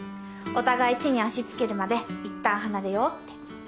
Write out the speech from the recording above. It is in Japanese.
お互い地に足つけるまでいったん離れようって。